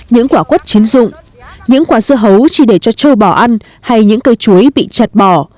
những quả quất chiến dụng những quả dưa hấu chỉ để cho trâu bò ăn hay những cây chuối bị chạt bò